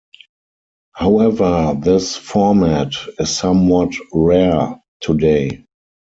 However, this format is somewhat rare today.